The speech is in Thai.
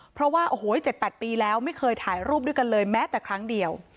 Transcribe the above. เพราะว่าโอ้โห๗๘ปีแล้วไม่เคยถ่ายรูปด้วยกันเลยแม้แต่ครั้งเดียว